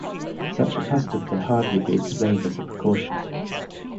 Such a custom can hardly be explained as a precaution.